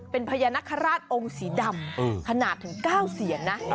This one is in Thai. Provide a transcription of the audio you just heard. เป็นพญานาคาราชองค์สีดำขนาดถึง๙เสียงนะ